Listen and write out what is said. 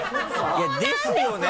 いやですよね？